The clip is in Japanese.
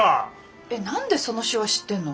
えっ何でその手話知ってんの？